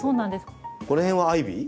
これはアイビー？